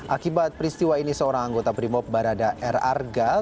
akibat peristiwa ini seorang anggota brimop barada r argal